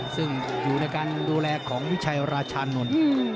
ซึ่งอยู่ในการดูแลของวิชัยราชานนท์